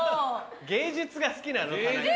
芸術が好きなの田中は。